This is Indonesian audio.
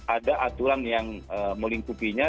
ada aturan yang melingkupinya